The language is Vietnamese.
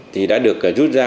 thì đã được rút ra